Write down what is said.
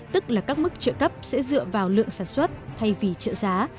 tức là các mức trợ cấp sẽ dựa vào lượng sản xuất thay vì trợ giá